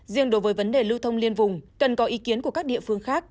riêng đối với vấn đề lưu thông liên vùng cần có ý kiến của các địa phương khác